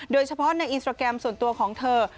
โดยเฉพาะในอินสตราแกรมส่วนตัวของเธอ